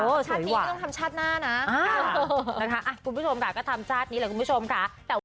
โอ้สวยว่ะค่ะคุณผู้ชมค่ะก็ทำชาตินี้แหละคุณผู้ชมค่ะ